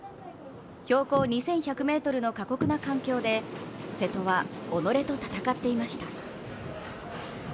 標高２１００ｍの過酷な環境で瀬戸は己と戦っていました。